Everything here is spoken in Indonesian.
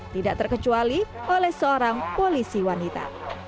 tidak terkecuali oleh seorang polisi wanita